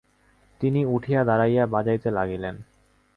তিনি উঠিয়া দাঁড়াইয়া বাজাইতে লাগিলেন।